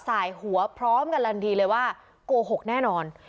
สายหัวพร้อมกำลังดีเลยว่าโกหกแน่นอน